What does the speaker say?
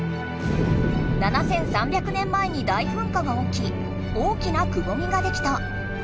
７，３００年前に大ふんかがおき大きなくぼみができた。